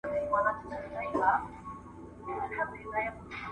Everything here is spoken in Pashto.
ولسي کيسې بايد وليکل شي.